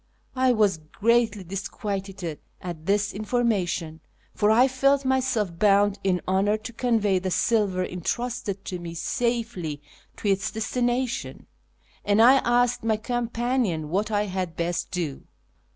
I was greatly disquieted at this information, for I felt myself bound in honour to convey the silver entrusted to me safely to its destination ; and I asked my companion what I had best do.